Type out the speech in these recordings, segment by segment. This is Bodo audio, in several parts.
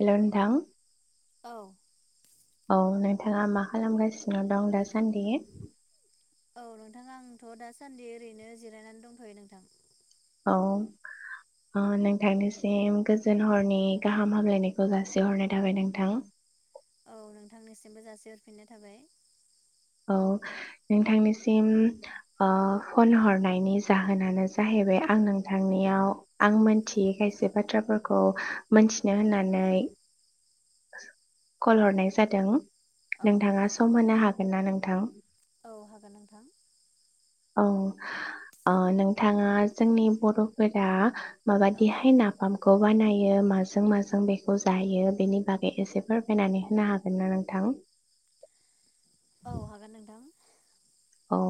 हेलौ नोंथां औ औ नोंथाङा मा खालामगासिनो दं दासान्दि? औ नोंथां आंथ दासान्दि ओरैनो जिरायनानै दंथयो नोंथां औ नोंथांनिसिम गोजोन हरनि गाहाम हामलायनायखौ जासिहरनाय थाबाय नोंथां औ नोंथांनिसिमबो जासिहरफिननाय थाबाय औ नोंथांनिसिम ओ फन हरनायनि जाहोनानो जाहैबाय आं नोंथांनियाव आं मोनथियै खायसे बाथ्राफोरखौ मोनथिनो औ होननानै [inaudible] कल हरनाय औ जादों नोंथाङा सम होनो हागोन हागोन ना नोंथां औ हागोन नोंथां। औ ओ नोंथाङा जोंनि बरफोरा औ माबादिहाय नाफाम खौ बानायो माजों माजों बेखौ जायो बेनि बागै एसे फोरमायनानै होनो हागोन ना नोंथां औ हागोन नोंथां औ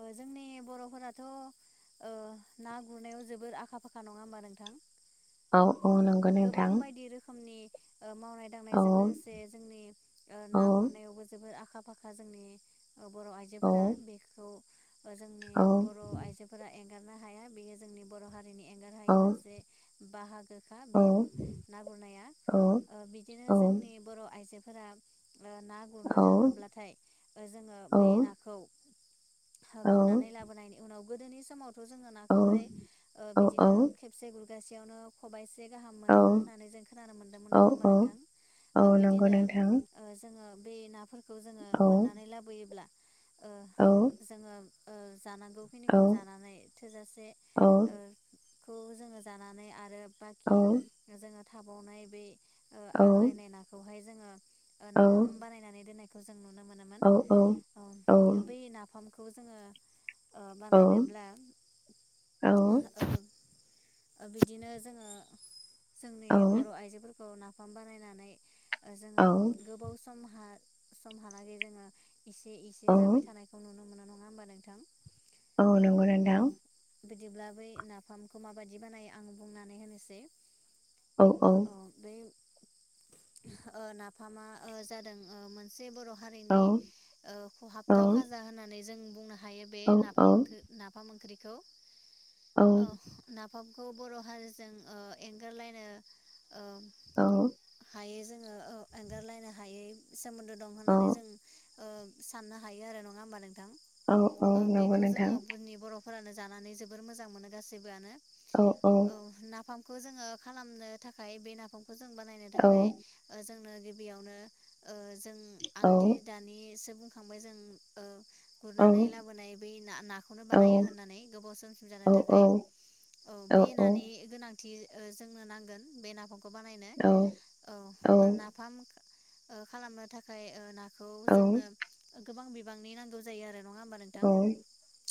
ओ जोंनि बरफोराथ ओ ना गुरनायाव जोबोर आखा फाखा नंङा होमबा नोंथां औ औ नंगो गोबां नोंथां। बायदि रोखोमनि ओ मावनाय औ दांनायजों लोगोसे जोंनि ओ औ ना गुरनायावबो जोबोद आखा फाखा जोंनि बर' औ आइजोफोरा। बेखौ ओ जोंनि औ बर' आइजोफोरा एं एंगारनो हाया बेयो जोंनि बर' हारिनि एंगार औ हायै मोनसे बाहागोखा औ बे ना गुरनाया। औ ओ िदिनो औ जोंनि बर' आइजो फोरा ओ ना गुरनो थाङोब्ला थाय ओ जोङो बे औ नाखौ गुरनानै लाबोनायनि उनाव गोदोनि समाव थ' जोङो नाखौहाय ओ बिदिनो खेबसे गुर गासेयावनो खबाइस से गाहाम औ मोनोमोन होननानै जों खोनानो मोन्दोंमोन नङा होमबा औ नोंथां? औ ओ नंगौ बिदिनो नोंथां ओ जोङो बे नाफोर खौ जोङो औ मोननानै लाबोयोब्ला ओ औ जोङो ओ औ जानांगौखिनिखौ जानानै थोजासे औ ओ खौ जोङो जानानै आरो औ बाखि जोङो थाबावनाय बे ओ आग्लायनाय नाखौहाय जोङो ओ नाफाम औ बानायनानै दोननाय खौ जों औ औ औ। खौ जोङो ओ औ बानायनोब्ला ओ ओ बिदिनो जोङो जोंनि औ बर' आइजोफोरखौ ना बिफाम बानायनानै जोङो औ गोबाव समहा समहालागै जोङो एसे औ इसे जाबाय थानायखौ नुनो मोनो। नङा होमबा नोंथां। अ' नंगो औ नोंथां। बिदिब्ला बै नाफामखौ माबायदि बानायो आं बुंनानै होनोसै औ औ। ओ नाफामा ओ जादों ओ मोन से बर' औ हारिनि ओ औ ख'हाबथाव खाजा होननानै जों बुंनो हायो बे औ औ नाफाम ओंख्रो नाफाम ओंख्रि खौ। अ नाफ फामखौ बर' हारिजों ओ एंगारलायनो ओ औ। हायो जोङो ओ एंगारलायनो हायै सोमोन्दो दं औ होननानै जों ओं साननो हायो आरो नङा होमबा नों थां औ औ ओ नंगौ बेखौ नोंथां जोङो बुननि बर' फोरानो जानानै जोबोर मोजां मोनो गासैबोआनो। औ नाफाम खौ जोङो खालामनो थाखाय बे नाफाम खौ जों बानायनो औ थाखाय ओ जोंनो गिबियावनो ओ जों औ आंदि दानि सोबुं खांबाय जों ओ गुरनानै लाबोनाय बै ना- नाखौनो औ बानायो होननानै गोबाव समसिमजानो थाखाय औ बे नानि गोनांथि। थि ओ जोंनो नांगोन बे नाफामखौ बानायनो औ ओ नाफाम ओ खालामनो थाख खाय ओ ना खौ जोङनो ओग गोबां बिबांनि नांगौ जायो आरो। नङा होमबा नोंथां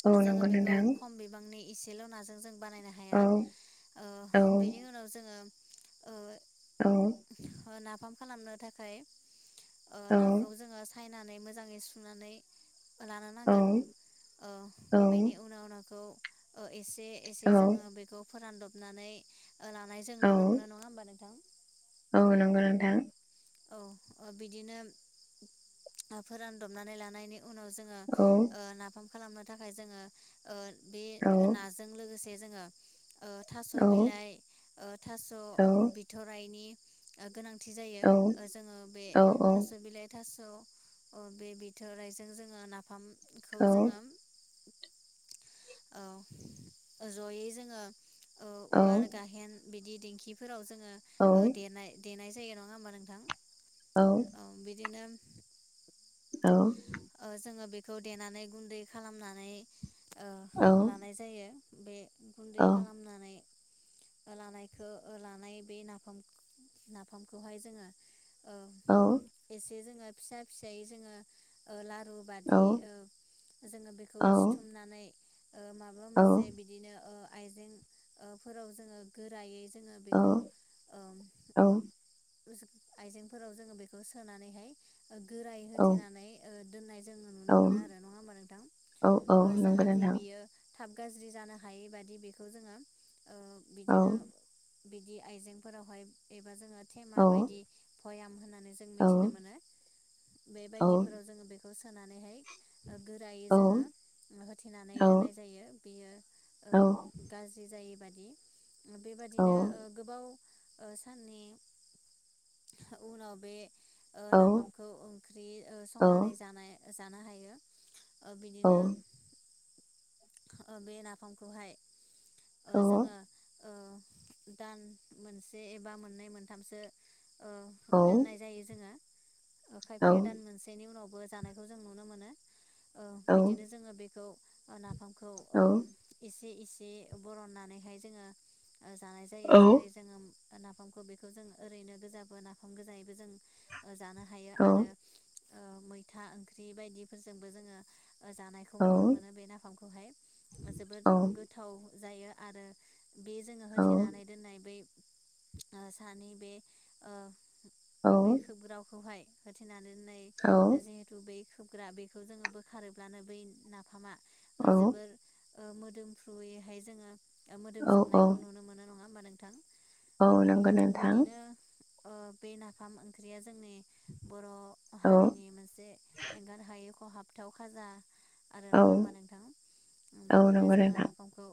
औ जोङो नंगौ बेखौ नोंथां खम बिबांनि इसेल' नाजों जों बानायनो औ हाया ओ औ औ बेनि उनाव जोङो ओ औ अ फाम खालामनो थाखाय ओ औ औ नाखौ जोङो साय नानै मोजाङै सुनानै लानो नांगोन बेनि औ उनाव नाखौ अ एस एसे एसे जोङो बेखौ फोरानदब नानै लानाय जों नुनो मोनो नङा होमबा नोंथां औ नंगौ नोथां औ बिदिनो ओ फोरानदबनानै लानायनि उनाव जोङो ओ औ नाफाम खालामनो थाखाय जोङो बे औ नाजों लोगोसे जोङो थास' बिलाइ औ ओ थास' बिथराइनि गोनां थिजायो औ औ जोङो बे औ नंगौ थास' बिलाइ थास ओ बे बिथोराइजों जोङो नाफाम खौ जोङो नोंथां औ जयै जोङो वार गाहेन बिदि दिेंखिफोराव जों ओ देनाय देनाय नायजायो नङा होनबा न थां औ बिदिनो औ ओ जोङो बेखौ देनानै गुन्दै खालामनानै ओ लानाय जायो बे गुन्दै खालामनानै लानायखौ लानाय बे नाफाम नाफामखौहाय जोङो ओ एसे जोङो फिसा फिसायै जोङो ओ ला दु बादि ओ जोङो बिखौ सिथुमनानै ओ माबा मोनसे बिदिनो ओ आइजें ओ फोराव जोङो गोरायै जोङो बेखौ ओ-म आइजेंफोराव जोङो बेखौ सोनानैहाय ओ गोराय होथेनानै ओ दोननाय जोङो नुनो औ मोनो आरो नङा होमबा नोंथां? औ औ ओ नंगौ जाहाथे नोंथां बियो थाब गाज्रि जानो हायै बादि बेखौ जोङो ओ बिदिनो बिदि आइजेंफोरावहाय एबा जोङो थेमाबायदि भयाम होना जों मिथिनो मोनो बेबायदि बेखौ सोनानैहाय गोरायै जोङो होथेनानै दोननाय जायो बियो ओ गाज्रि जायो बादि बेबादिनो ओ गोबाव ओ साननि उनाव बे ओ नाफामखौ ओंख्रि ओ संनानै जानाय जानो हायो ओ बिदिनो ओ बे नाफामखौहाय ओ जोङो ओ दान मोनसे एबा मोननै मोनथामसो ओ दोननाय जायो जोङो ओ खायफाया दान मोनसे बेनि उनावबो जानायखौ जों नुनो मोनो बिदिनो जोङो बे खौ ओ नाफामखौ औ। इसि- इसि बरननानैहाय जोङो। ओह जानाय जायो जेरै जोङोम ओ नाफामखो बेखोजों ओरैनो गोजाबो नाफाम गोजायैबो जों ओह जानोहायो आरो ओह मैथा ओंख्रि बायदिफोरजोंबो जोङो ओह जानायखौ नुनोमोनो बे नाफामखौहाय जोबोद गोथाव। जायो आरो बे जोङो होथेनानै दोननाय बै ओ सानै बे ओ। बे खोबग्रावखौहाय। होथेना दोननाय। जिहेतु बेैख खोबग्रा बेखौ जोङो बोखारोब्लानो बै नाफामा। ओ जोबोर। ओह मोदोमफ्रुयैहाय जोङो। ओह मोदोम जोबनायखौ नुनो मोनो नङाओ होमबा नोंथां। औ नंगो नोंथां। ओह बे नाफाम ओंख्रिया जोंनि बर' औ हारिनि मोनसे एंगारहायै ख खहाबथाव खाजा। आरो औ नङाहोमबा नोंथां उम औ नंगौ बेदिनोजोङो नोंथां नाफामखौ।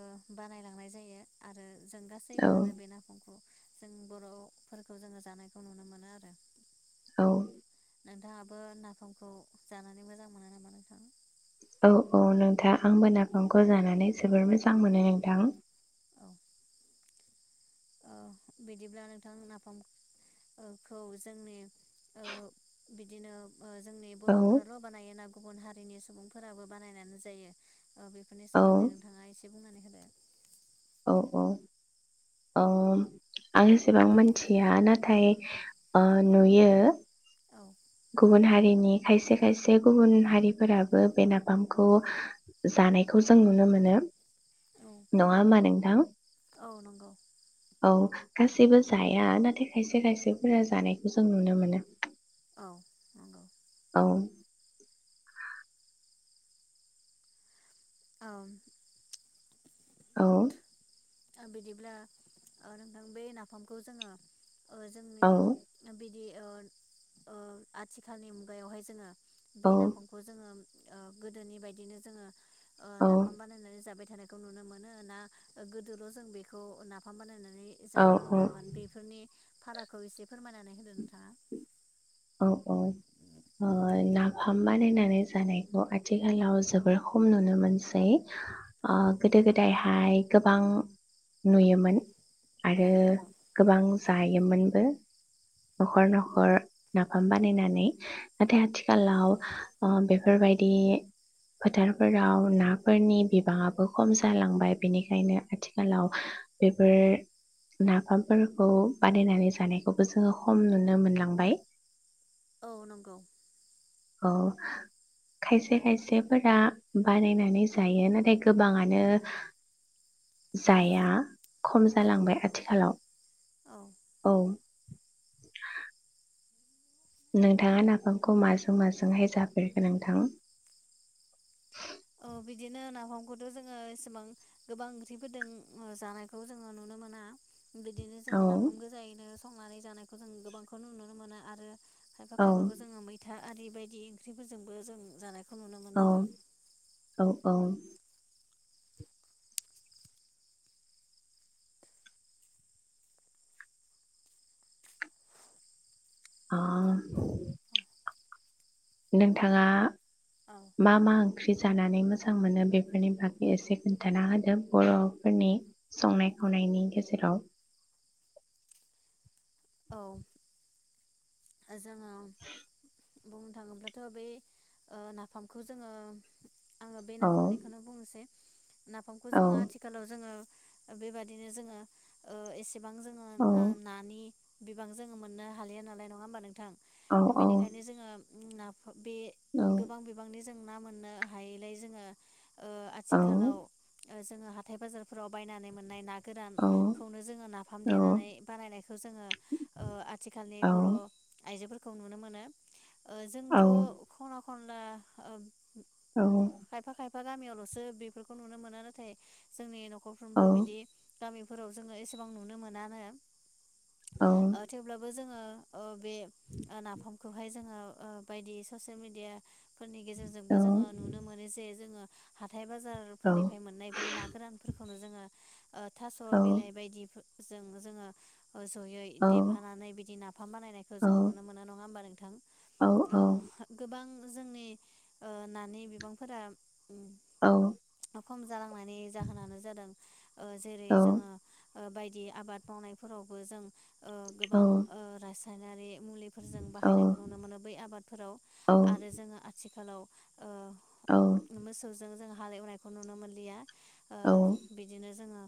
ओह बानायलांनायजायो आरो। जों औ गासैबोआनो बे नाफामख। जों बर'फोरखौ जोङो जानायखौ नुनो मोनोआरो। औ। नोंथाङाबो नाफामखौ जानानै मोजां मोनो नामा नोंथां। औ-औ नोंथा आंबो नाफामखौ जानानै जोबोर मोजांमोनो नोंथां। औ। ओह बिदिब्ला नोंथां नाफाम ओह खौ जोंनि ओह बिदिनो। ओह जोंनि औ बर'फोराल बानायोना गु गुबुन हारिनि सुबुंफोराबो बानायनानै जायो ओह बेफोरनि औ सोमोन्दै नोंथाङा एसे बुंनानैहोदो। औ औ औ आं एसेबां मोनथिया नाथाय ओह नुयो। औ। गुबुन हारिनि खायसे खायसे गुबुन हारिफोराबो बे नाफामखौ जानायखौजों नुनोमोनो। नङाहोमबा नोंथां। औ नंगौ औ गासैबो जाया नाथाय खायसे खायसेफोरा जानायखौ जों नुनो मोनो औ नंगौ औ औ औ ओ बिदिब्ला ओ नोंथां बे नाफामखौ जोङो ओ जोंनि औ बिदि बिदि ओ ओ आथिखालनि मुगायावहाय जोङो बे औ नाफामखौ जोङो ओ गोदोनि बायदिनो जोङो ओ औ नाफाम बानायनानै जाबाय थानायखौ नुनो मोनो ना गो दोल' जों बेखौ नाफाम बानायनानै नै जानायखौ औ नुयोमोन बेफोरनि फारागखौ एसे फोरमायनानै होदो नोंथाङा औ औ ओ नाफाम बानायनानै जानायखौ आथिखालाव जोबोर खम नुनो मोनसै अ औ गोदो गोदाय हाय गोबां नुयोमोन औ आरो नंगौ गोबां जायोमोनबो न'खर न'खर नाफाम बानायनानै नाथाय आथि औ खालाव ओ बे बेफोरबायदि फोथारफोराव नाफोरनि बिबाङाबो खम जालांबाय बेनिखायनो आथिखालाव बेफोर नाफामफोरखौ बानायनानै जानायखौबो जोङो खम नुनो मोनलांबाय औ नंगौ औ खायसे खायसेफोरा बानायनानै जायो नाथाय गोबाङानो जाया खम औ जालांबाय नंगौ आथिखालाव औ औ [inaudible] नोंथाङा नाफामखौ माजों माजोंहाय जाफेरखो नोंथां औ बिदिनो नाफामखौथ' जोङो एसेबां गोबां ओंख्रिफोरदों जानायखौ जोङो नुनो मोना बिदिनो औ जोङो नाफाम गोजायैनो संनानै जानायखौ जों गोबांखौ नुनो मोनो आरो खायफा औ खायफाखौ जोङो मैथा आरि बायदि ओंख्रिफोरजोंबो जों जानाय औ औ औ आ नोंथाङा मा मा ओंख्रि जानानै मोजां मोनो बेफोरनि बागै एसे खोन्थाना होदो बर'फोरनि संनाय खावनायनि गेजेराव औ जोङो बुंनो थाङोब्लाथ' बे नाफामखौ जोङो आङो बे औ नाफामनिखौनो बुंनोसै नाफामखौ औ जोङो आथिखालाव जोङो बेबादिनो जोङो ओ एसे एसेबां जोङो औ ओ नानि बिबां जों मोननो हालिया नालाय ना नङा होमा नोंथां? औ औ बेनिखायनो जोङो उ ना [unintelligible] बे गोबां बिबांनि जों ना मोननो हायैलाय जोङो औ आथिखालाव ओ जोङो हाथाय बाजारफोराव बायनानै मोननाय ना औ गोरानखौनो जोङो नाफाम औ देनानै बानायनायखौ जोङो आथिखालनि बर' औ आयजोफोरखौ नुनो मोनो जोंथ' खना-खनला खनला औ बिफा गामियावल'सो बेफोरखौ नुनो मोना नाथाय जोंनि नख'र नखरफ्रोमबो बिदि गामिफोराव जोङो एसेबां नुनो मोनानो ओ थेवब्लाबो जों बे नाफामखौ खौहाय जोङो ओ बायदि ससियेल मेडिया फोरनि गेजेरजोंबो जोङो नुनो मोनो जे जोङो हाथाइ-बाजारफोरनिफ्राय मोननाय बै ना गोरानफोरखौ खौनो जोङो ओ थास' बिलाइ बायदि जों जोङो ओज'यै देफानानै बिदि नाफ नाफाम बानायनायखौ जों नुनो मोनो नङा होमबा नोंथां ओह गोबां जोंनि ओ नानि बिबांफोरा उम औ खम जालांनायनि जाहोनानो जादों ओ जेरै जोङो ओ बायदि आबाद मावनायफोरावबो जों ओ गोबां ओ सायनारि मुलिफोर जों बाहायनायखौ नुनो मोनो बै आबादफोराव आरो जोङो आथि आथिखालाव ओ मोसौजों जों हा हाल एवनायखौ नुनो मोनलिया ओ बिदिनो जोङो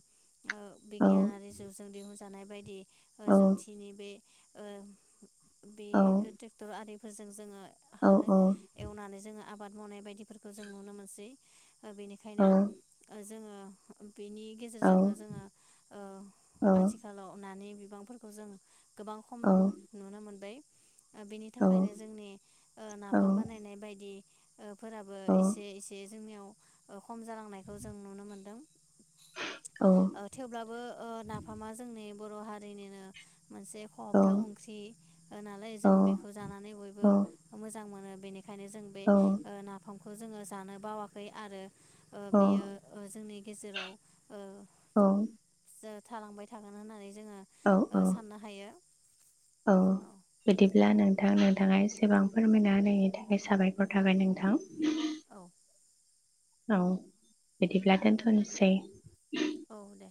ओ बिगियानारि जिउजों दिहुन जानाय बायदि ओ जुन्थिनि बे ओ बे ट्रेक्टर आरि फोरजों जोङो हाल एवनानै जोङो आबाद मावनाय बायदिफोरखौ जों नुनो मोनसै ओ बेनिखायनो ओ जोङो बेनि गेजेरजोंनो जोङो ओ आथिखालाव नानि बि बिबांफोरखौ जों गोबां खम नुनो मोनबाय ओ बिनि थाखायनो जोंनि ओ नाफाम बानायनाय बायदि ओ फोराबो एसे एसे जोंनियाव ओ खम जालांनायखौ जों नुनो मोनदों ओ थेवब्लाबो ओ नाफामा जोंनि बर' हारिनिनो मोनसे फाबथाब ओंख्रि नालाय जों बेखौ जानानै बयबो मोजां मोनो बेखायनो जों बे ओ नाफाम खौ जोङो जानो बावाखै आरो ओ औ बेयो ओ जोंनि गेजेराव ओ औ जों थालांबाय थागोन होननानै जोङो ओ साननो हायो। औ बिदिब्ला नों थां नोंथाङा एसेबां फोरमायना होनायनि थाखाय साबायखर थाबाय नोंथां। औ औ बिदिब्ला दोनथ' निसै औ दे।